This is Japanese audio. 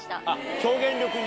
表現力に。